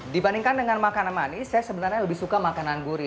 dibandingkan dengan makanan manis saya sebenarnya lebih suka makanan gurih